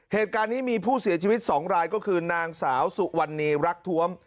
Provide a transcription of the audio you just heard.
เหตุการณ์นี้มีผู้เสียชีวิต๒รายก็คือนางสาวสุวรรณีรักท้วม